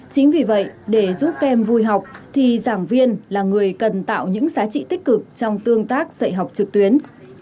chính vì vậy để giúp các em vui học thì giảng viên là người cần tạo những giá trị tích cực trong tương tác dạy học trực tuyến